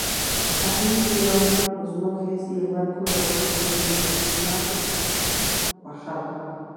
Así hicieron los monjes y el barco logró salir del Mar Cuajado.